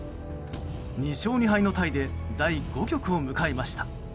２勝２敗のタイで第５局を迎えました。